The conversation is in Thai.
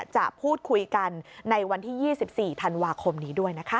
จะพูดคุยกันในวันที่๒๔ธันวาคมนี้ด้วยนะคะ